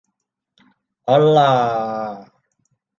ออลล่า